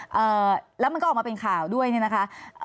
แล้วมันก็ออกมาเป็นข่าวด้วยนะคะ